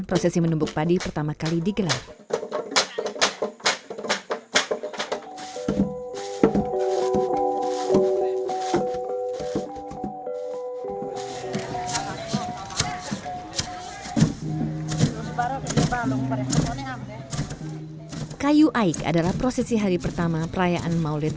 prosesi menumbuk padi pertama kali digelar kayu aik adalah prosesi hari pertama perayaan maulid